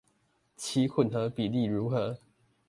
其混合比例如何？